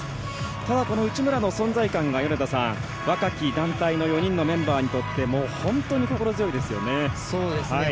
ただ、この内村の存在感は若き団体の４人のメンバーにとって本当に心強いですよね。